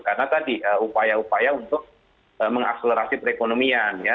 karena tadi upaya upaya untuk mengakselerasi perekonomian ya